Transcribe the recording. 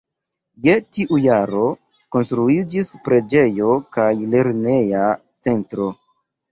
Je tiu jaro konstruiĝis preĝejo kaj lerneja centro.